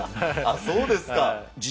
そうですか。